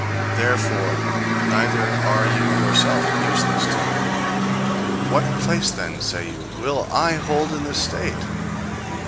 Therefore neither are you yourself useless to it. "What place, then, say you, will I hold in the state?"